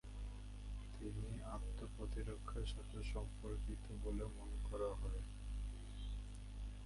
এটি আত্ম-প্রতিরক্ষার সাথে সম্পর্কিত বলে মনে করা হয়।